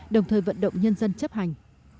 đồng thời vận động nhân dân chấp hành